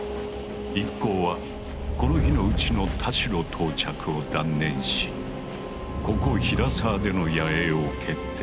一行はこの日のうちの田代到着を断念しここ平沢での野営を決定。